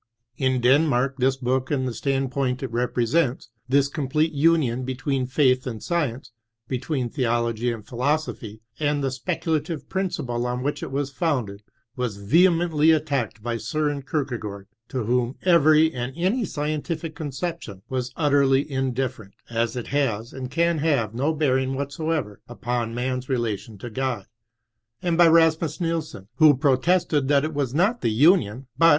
In Denmark this book and the standpoint it lepresentB, this complete union between faith and science, between theolojgy and philoso phy, and the speculative principle on which It was founded, was vehemently attacked by S6ren Kierkegaard, to whom every and any scientific conception was utterly indifferent, as it has and can have no bearmg whatsoever upon man's relation to Qod, and by Rasmus liielsen, who protested that it was not the onion, but.